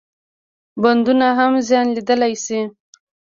بندونه هم زیان لیدلای شي.